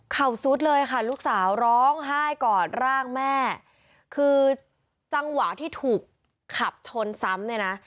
สุดเลยค่ะลูกสาวร้องไห้กอดร่างแม่คือจังหวะที่ถูกขับชนซ้ำเนี่ยนะ